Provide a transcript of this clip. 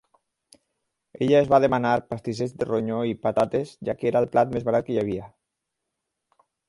Ella es va demanar pastissets de ronyó i patates, ja que era el plat més barat que hi havia.